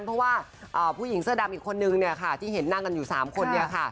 เพราะว่าผู้หญิงเสื้อดำอีกคนนึงเนี่ยค่ะที่เห็นนั่งกันอยู่๓คนเนี่ยค่ะ